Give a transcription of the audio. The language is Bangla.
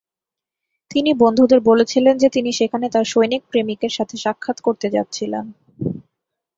তিনি বন্ধুদের বলেছিলেন যে তিনি সেখানে তার সৈনিক প্রেমিকের সাথে সাক্ষাৎ করতে যাচ্ছিলেন।